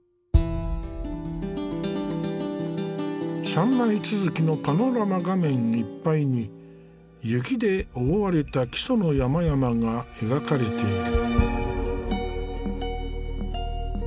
３枚続きのパノラマ画面いっぱいに雪で覆われた木曽の山々が描かれている。